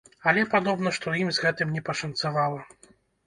Але, падобна, што ім з гэтым не пашанцавала.